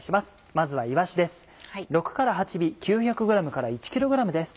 まずはいわしです。